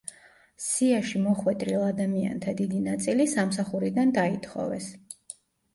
სიაში მოხვედრილ ადამიანთა დიდი ნაწილი სამსახურიდან დაითხოვეს.